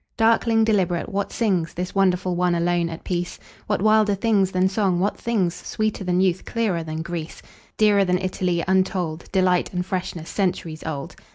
Darkling, deliberate, what singsThis wonderful one, alone, at peace? What wilder things than song, what thingsSweeter than youth, clearer than Greece, Dearer than Italy, untoldDelight, and freshness centuries old?